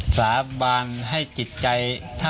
สาบานให้จิตใจ